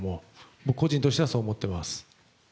僕個人としては、そう思ってます。